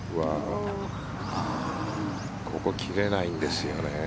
ここ切れないんですよね。